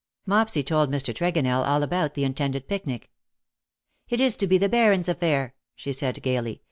Mopsy told Mr. Tregonell all about the intended picnic. " It is to be the Baron^s aff'air/^ she said^ gaily.